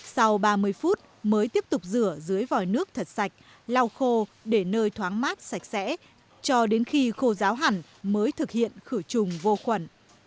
sau ba mươi phút mới tiếp tục rửa dưới vòi nước thật sạch lau khô để nơi thoáng mát sạch sẽ cho đến khi khô giáo hẳn mới thực hiện khử trùng vô khuẩn